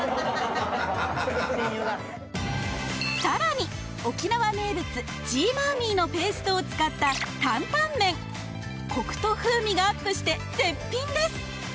さらに沖縄名物ジーマーミーのペ−ストを使った担々麺コクと風味がアップして絶品です